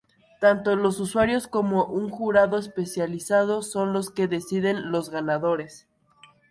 Tanto los usuarios como un jurado especializado son los que deciden los ganadores.